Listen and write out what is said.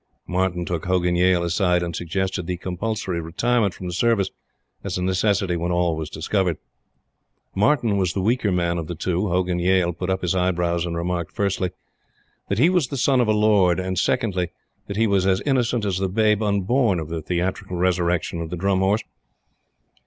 Martyn took Hogan Yale aside and suggested compulsory retirement from the service as a necessity when all was discovered. Martyn was the weaker man of the two, Hogan Yale put up his eyebrows and remarked, firstly, that he was the son of a Lord, and secondly, that he was as innocent as the babe unborn of the theatrical resurrection of the Drum Horse.